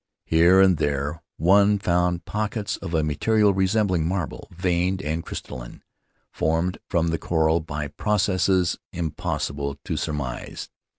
Here and there one found pockets of a material resembling marble, veined and crystalline — formed from the coral by processes impossible to surmise.